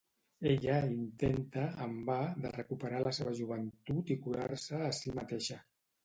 Ella intenta, en va, de recuperar la seva joventut i curar-se a si mateixa.